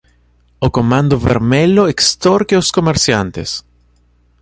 O comando vermelho extorque os comerciantes.